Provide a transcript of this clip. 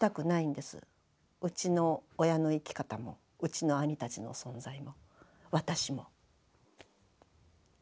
うちの親の生き方もうちの兄たちの存在も私も。